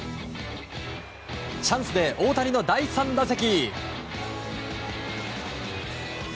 チャンスで大谷の第３打席。